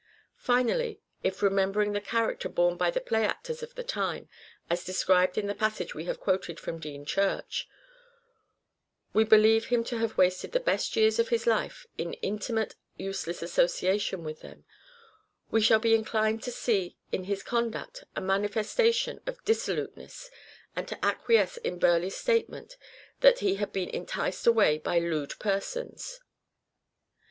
Finally, if, remembering the character borne by the secret play actors of the time, as described in the passage we occuPations have quoted from Dean Church, we believe him to have wasted the best years of his life in ultimate, useless association with them, we shall be inclined to see in his conduct a manifestation of dissoluteness and to acquiesce in Burleigh's statement that he had been " enticed away by lewd persons."